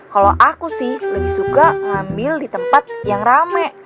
kalau aku sih lebih suka ngambil di tempat yang rame